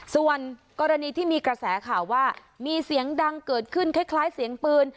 ส่วนกรณีที่มีกระแสข่าวว่ามีเสียงดังเกิดขึ้นคล้ายเสียงปืน